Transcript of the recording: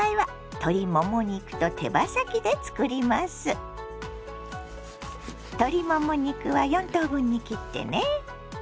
鶏もも肉は４等分に切ってね。